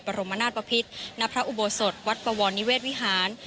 รมนาศปภิษณพระอุโบสถวัดปวรนิเวศวิหาร